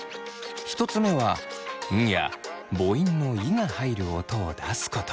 １つ目は「ん」や母音の「い」が入る音を出すこと。